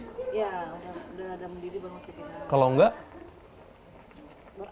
ya udah ada mendidih baru masukin